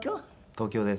東京です。